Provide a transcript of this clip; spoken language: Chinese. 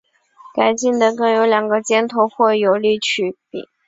改进的耒有两个尖头或有省力曲柄。